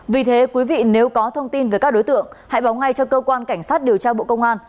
vì thế quý vị nếu có thông tin về các đối tượng hãy báo ngay cho cơ quan cảnh sát điều tra bộ công an